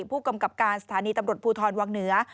ผู้กำกับการสถานีตำรวจภูทรวังเหนือ